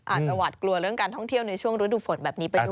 อาจจะหวาดกลัวเรื่องการท่องเที่ยวในช่วงฤดูฝนแบบนี้ไปด้วย